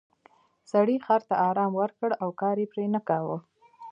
سړي خر ته ارام ورکړ او کار یې پرې نه کاوه.